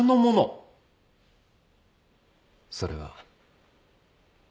それは。